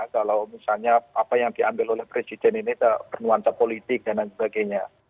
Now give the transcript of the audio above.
kalau misalnya apa yang diambil oleh presiden ini bernuansa politik dan lain sebagainya